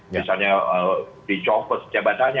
misalnya dicokup jabatannya